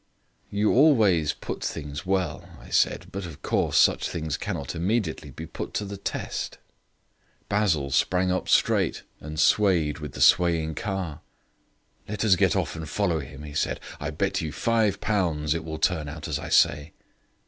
"You always put things well," I said, "but, of course, such things cannot immediately be put to the test." Basil sprang up straight and swayed with the swaying car. "Let us get off and follow him," he said. "I bet you five pounds it will turn out as I say."